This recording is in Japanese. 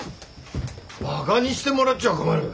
バカにしてもらっちゃ困る。